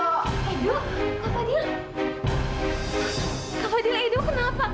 kak fadhil ido kenapa kak